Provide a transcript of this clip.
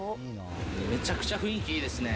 めちゃくちゃ雰囲気いいですね。